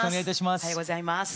おはようございます。